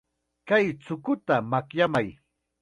Chay chukuta makyamay.